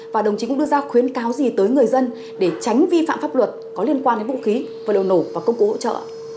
và đồng chí cũng đưa ra khuyến cáo gì tới người dân để tránh vi phạm pháp luật có liên quan đến vũ khí vật liệu nổ và công cụ hỗ trợ